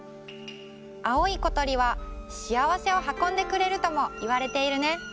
青いことりはしあわせをはこんでくれるともいわれているね。